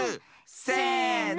せの！